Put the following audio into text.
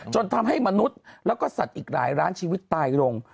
จนทำให้มนุษย์แล้วก็สัตว์อีกหลายล้านชีวิตตายลง